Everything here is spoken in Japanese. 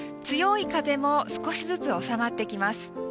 強い風も少しずつ収まってきます。